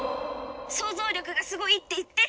「想像力がすごいって言って！」。